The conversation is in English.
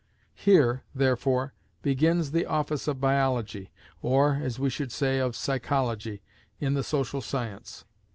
Here, therefore, begins the office of Biology (or, as we should say, of Psychology) in the social science.